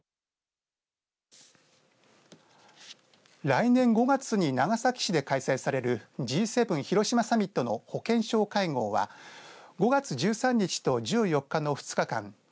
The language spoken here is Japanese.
来年５月に長崎市で開催されるＧ７広島サミットの保健相会合は５月１３日と１４日の２日間